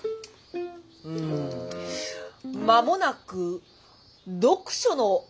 うん間もなく読書の秋ですし。